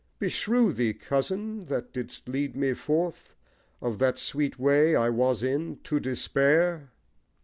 Beshrew thee, Cousin, that didst lead me forth Of that sweet way I was in to despair!